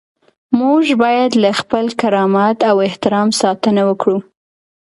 موږ باید له خپل کرامت او احترام ساتنه وکړو.